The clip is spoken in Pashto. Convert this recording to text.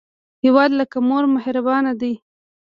هیواد لکه مور مهربانه دی